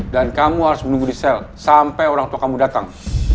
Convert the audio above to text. dan kamu harus menunggu di sel sampai orang tua kamu datang